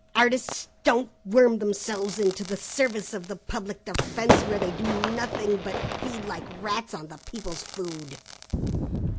Artists don't worm themselves into the service of the Public Defence where they do nothing but feed like rats on the people's food!